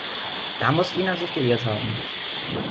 Da muss Ina sich geirrt haben.